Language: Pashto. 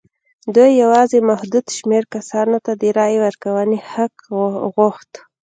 دوی یوازې محدود شمېر کسانو ته د رایې ورکونې حق غوښت.